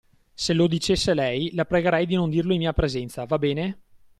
Se lo dicesse lei, la pregherei di non dirlo in mia presenza, va bene?